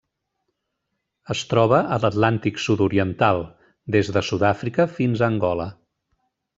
Es troba a l'Atlàntic sud-oriental: des de Sud-àfrica fins a Angola.